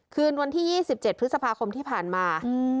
คืนวันที่๒๗พฤษภาคมที่ผ่านมา